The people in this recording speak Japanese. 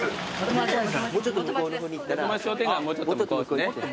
元町商店街はもうちょっと向こうですね。